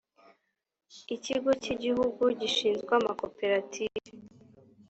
ikigo cy igihugu gishinzwe amakoperative